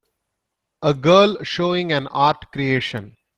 A girl showing an art creation.